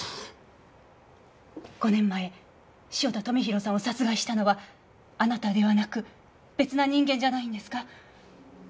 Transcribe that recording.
５年前汐田富弘さんを殺害したのはあなたではなく別な人間じゃないんですか？